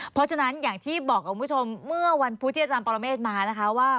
เพราะฉะนั้นอย่างที่บอกกับคุณผู้ชมเมื่อวันพุธที่อาจารย์ปรเมฆมานะคะว่า